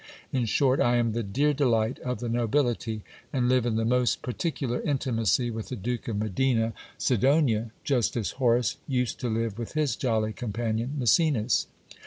In short, I am the dear delight of the nobility, and live in the most particular intimacy with the Duke of Medina Sidonia, just as Horace used to live with his jolly companion Mecenas.